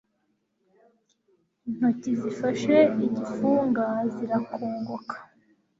intoki zifashe igifunga zirakongoka